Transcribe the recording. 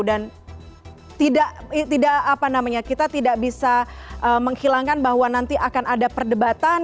dan tidak apa namanya kita tidak bisa menghilangkan bahwa nanti akan ada perdebatan